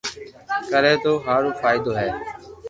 ڪري تو ٿو ھارو فائدو ھي